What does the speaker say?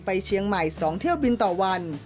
เชียงใหม่๒เที่ยวบินต่อวัน